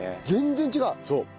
全然違う。